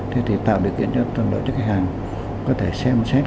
thế thì tạo điều kiện cho toàn bộ các khách hàng có thể xem xét